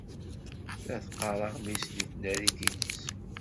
La teqqar aɣmis deg tnarit-nnes.